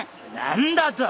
何だと！？